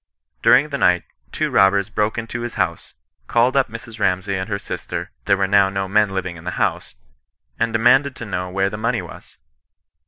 During the night, two robbers broke into his house, called up Mrs. Ramsay and her sister (there were no men living in the house), and demanded to know where the money was.